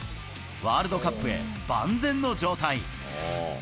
ワールドカップへ、万全の状態。